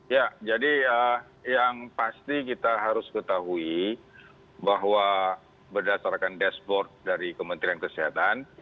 ya jadi yang pasti kita harus ketahui bahwa berdasarkan dashboard dari kementerian kesehatan